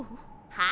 はい。